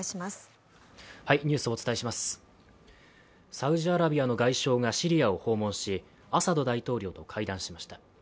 サウジアラビアの外相がシリアを訪問し、アサド大統領と会談しました。